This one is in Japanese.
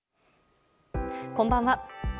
こんばんは。